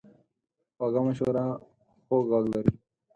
خوږه مشوره خوږ غږ لري.